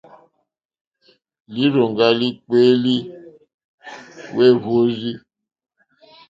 Lírzòŋgá líkpéélì wêhwórzí.